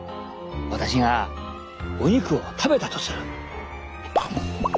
私がお肉を食べたとする。